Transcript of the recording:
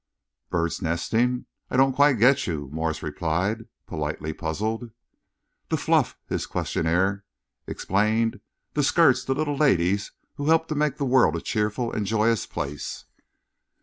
"Bird's nesting? I don't quite get you," Morse replied, politely puzzled. "The fluff," his questioner explained, "the skirts, the little ladies who help to make the world a cheerful and a joyous place."